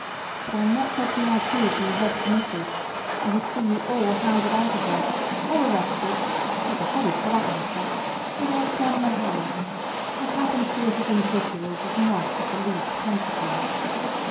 But I am not taking my cue from the Red Committee. I would see you all hounded out of here, or arrested—or beheaded for that matter—without turning a hair. What happens to us as individuals is not of the least consequence."